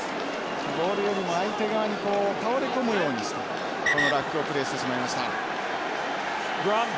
ボールよりも相手側に倒れ込むようにしてこのラックをプレーしてしまいました。